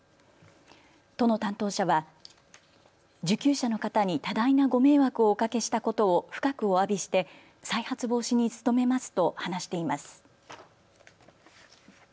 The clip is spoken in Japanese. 都の担当者は受給者の方に多大なご迷惑をおかけしたことを深くおわびして再発防止に努めますと話しています。